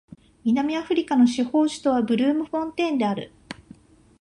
南アフリカの司法首都はブルームフォンテーンである